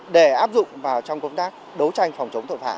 để áp dụng vào trong công tác đấu tranh phòng chống tội phạm